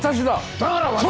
だから私が！